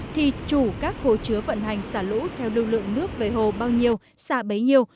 thì chủ các hồ chứa vận hành xả lũ theo lưu lượng nước về hồ bao nhiêu xả bấy nhiêu